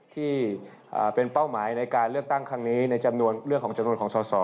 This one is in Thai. ที่เป็นเป้าหมายในการเลือกตั้งครั้งนี้ในจำนวนเรื่องของจำนวนของสอสอ